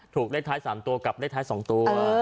ถูกเลขท้าย๓ตัวกับเลขท้าย๒ตัว